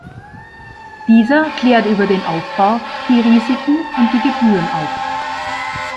Dieser klärt über den Aufbau, die Risiken und die Gebühren auf.